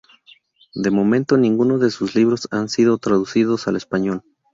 De momento ninguno de sus libros han sido traducidos al español.